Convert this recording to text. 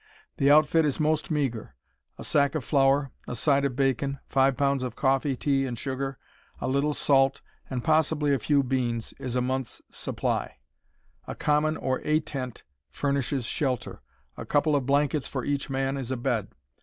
The outfit is most meager: a sack of flour, a side of bacon, 5 pounds of coffee, tea, and sugar, a little salt, and possibly a few beans, is a month's supply. A common or "A" tent furnishes shelter; a couple of blankets for each man is a bed.